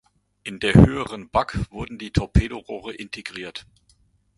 In der höheren Back wurden die Torpedorohre integriert.